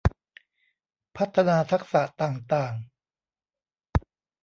พัฒนาทักษะต่างต่าง